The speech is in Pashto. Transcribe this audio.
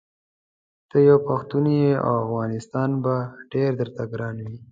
ته یو پښتون یې او افغانستان به ډېر درته ګران وي.